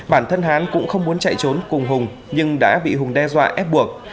bản thân hán cũng không muốn chạy trốn cùng hùng nhưng đã bị hùng đe dọa ép buộc